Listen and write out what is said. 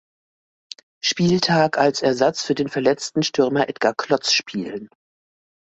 Spieltag als Ersatz für den verletzten Stürmer Edgar Klotz spielen.